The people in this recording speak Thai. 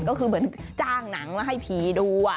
ก็คือเหมือนจ้างหนังมาให้ผีดู